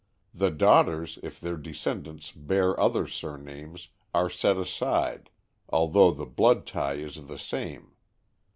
The daughters, if their descendants bear other surnames, are set aside, although the blood tie is the same.